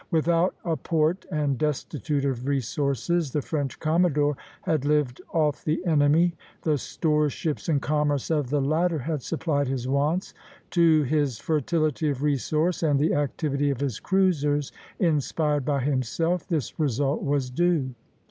Without a port, and destitute of resources, the French commodore had lived off the enemy; the store ships and commerce of the latter had supplied his wants. To his fertility of resource and the activity of his cruisers, inspired by himself, this result was due.